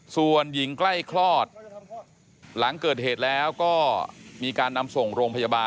ส่วนหญิงใกล้คลอดหลังเกิดเหตุแล้วก็มีการนำส่งโรงพยาบาล